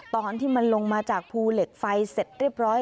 ตอนที่มันลงมาจากภูเหล็กไฟเสร็จเรียบร้อย